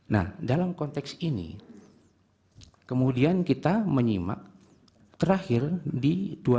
nah dalam konteks ini kemudian kita menyimak terakhir di dua ribu dua puluh